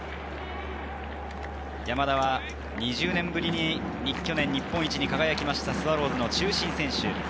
山田は２０年ぶりに去年、日本一に輝きましたスワローズの中心選手。